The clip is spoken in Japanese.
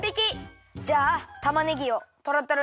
じゃあたまねぎをトロトロににこもう！